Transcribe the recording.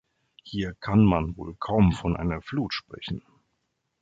Hier kann man wohl kaum von einer Flut sprechen!